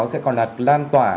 sẽ còn là lan tỏa